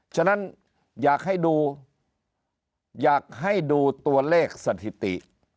ฉะนั้นอยากให้ดูอยากให้ดูตัวเลขสถิติ